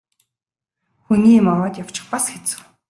Хүний юм аваад явчих бас хэцүү.